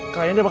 kamu mau pergi